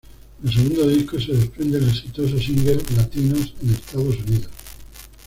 Del segundo disco se desprende el exitoso single "Latinos en Estados Unidos".